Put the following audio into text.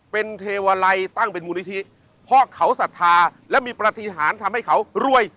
เป็นเทวาลัยตั้งเป็นมูลนิธิเพราะเขาศรัทธาและมีปฏิหารทำให้เขารวย